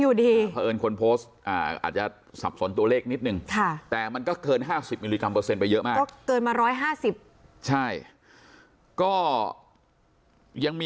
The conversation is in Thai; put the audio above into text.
อืม